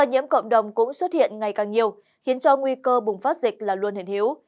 các ca nhiễm cộng đồng cũng xuất hiện ngày càng nhiều khiến cho nguy cơ bùng phát dịch là luôn hình hiếu